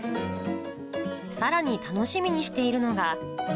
さらに楽しみにしているのが。